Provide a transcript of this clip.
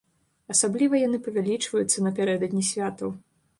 Асабліва яны павялічваюцца напярэдадні святаў.